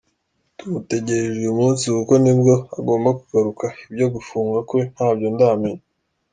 Tumutegereje uyu munsi kuko nibwo agomba kugaruka, ibyo gufungwa kwe ntabyo ndamenya.